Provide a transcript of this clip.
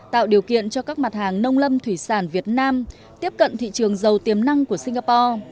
tạo điều kiện cho các mặt hàng nông lâm thủy sản việt nam tiếp cận thị trường giàu tiềm năng của singapore